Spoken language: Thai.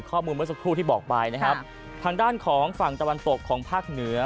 ข้อมือหมุนสกุรูพ์ที่บอกไบทางด้านของฝั่งตะวันตกของภาคเหนื้อ